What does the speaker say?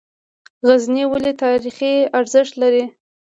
غزني ولې تاریخي ارزښت لري؟